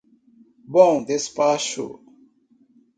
Bom Despacho